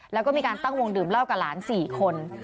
แล้วก็มีการตั้งวงดื่มเหล้ากับหลาน๔คน